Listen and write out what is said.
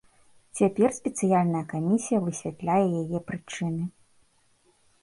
Цяпер спецыяльная камісія высвятляе яе прычыны.